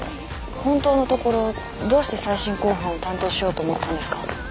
本当のところどうして再審公判を担当しようと思ったんですか。